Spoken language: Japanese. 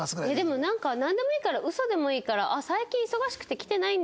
でもなんかなんでもいいから嘘でもいいから「最近忙しくて来てないんだよね」